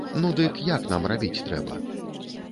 Ну, дык як нам рабіць трэба?!